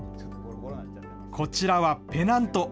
こちらはペナント。